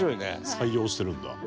採用してるんだ。